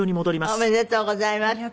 ありがとうございます。